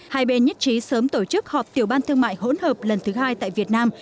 hai bên nhất trí sớm tổ chức họp tiểu ban thương mại hỗn hợp lần thứ hai tại việt nam